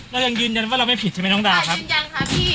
เรายังยืนยันว่าเราไม่ผิดใช่ไหมน้องดาวครับ